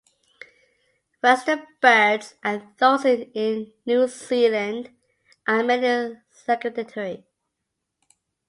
Western birds and those in New Zealand are mainly sedentary.